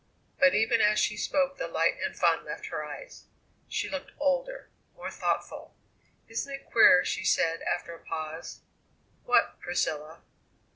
But even as she spoke the light and fun left her eyes. She looked older, more thoughtful. "Isn't it queer?" she said after a pause. "What, Priscilla?"